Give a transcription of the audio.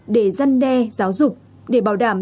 để dân đe giáo dục để bảo đảm